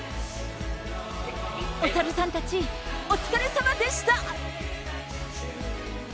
お猿さんたち、お疲れさまでした。